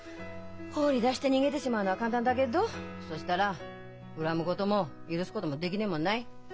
放り出して逃げてしまうのは簡単だけっどそしたら恨むことも許すこともできねえもんない。